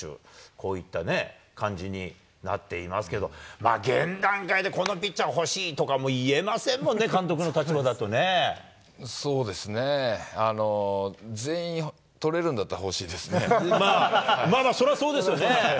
こういった感じになっていますけど、現段階でこのピッチャー欲しいとかも言えませんもんね、監督の立そうですね、全員取れるんだそりゃそうですよね。